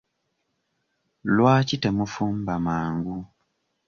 Lwaki temufumba mangu?